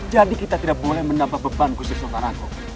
jadi kita tidak boleh menambah beban gusti sultan agung